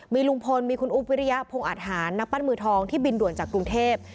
มีลุงพลมีคุณอุ๊บวิริยะพงอาทหารนักปั้นมือทองที่บินด่วนจากกรุงเทพ